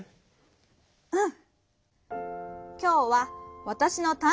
うん。